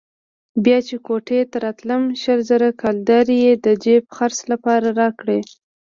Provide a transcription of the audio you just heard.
بيا چې کوټې ته راتلم شل زره کلدارې يې د جېب خرڅ لپاره راکړې.